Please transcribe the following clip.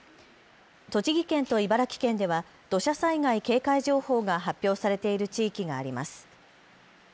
栃木県と茨城県では土砂災害警戒情報が発表されている地域があります。